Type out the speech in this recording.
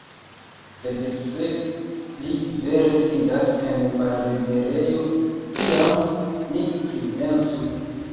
Sed se li vere sidas en malliberejo, tiam ni pripensu.